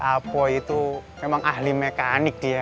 apo itu memang ahli mekanik dia